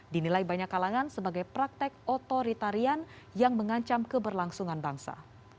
dinilai banyak kalangan sebagai praktek otoritarian yang mengancam keberlangsungan bangsa